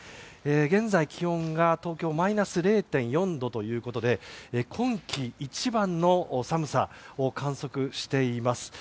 現在、気温が東京はマイナス０．４度ということで今季一番の寒さを観測しています。